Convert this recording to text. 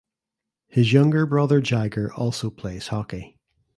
His younger brother Jagger also plays hockey.